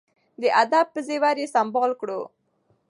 د ادب په زیور یې سمبال کړو.